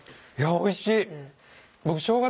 おいしい！